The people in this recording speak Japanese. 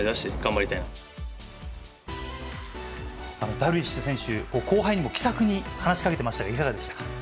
ダルビッシュ選手後輩にも気さくに話しかけていましたがいかがでしたか。